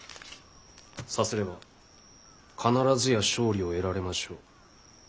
さすれば必ずや勝利を得られましょう。